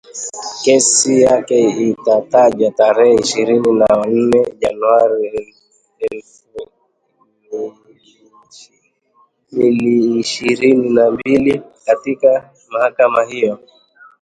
Kesi yake itatajwa tarehe ishirini na nne january elfu miliishirini na mbili katika mahakama hiyo